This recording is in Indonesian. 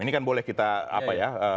ini kan boleh kita apa ya